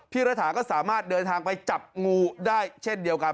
ระถาก็สามารถเดินทางไปจับงูได้เช่นเดียวกัน